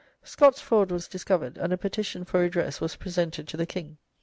Scott's fraud was discovered, and a petition for redress was presented to the King.